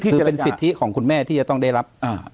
จะเป็นสิทธิของคุณแม่ที่จะต้องได้รับ